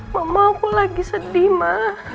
mama aku lagi sedih ma